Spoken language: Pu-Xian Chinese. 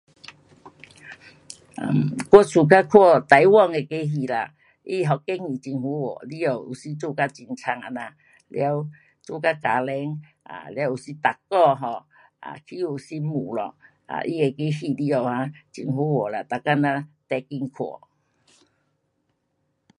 um 我喜欢看台湾的那个戏啦。那风景很好看，了有时做到很惨这样，了做到家庭，um 了有时男人 um 欺负媳妇了，他那个戏里下很好看啦，每天咱得快看。